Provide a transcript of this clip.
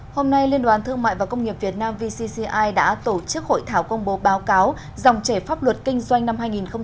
hôm nay liên đoàn thương mại và công nghiệp việt nam vcci đã tổ chức hội thảo công bố báo cáo dòng trẻ pháp luật kinh doanh năm hai nghìn một mươi chín